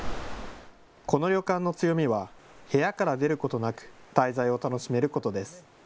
この旅館の強みは部屋から出ることなく滞在を楽しめることです。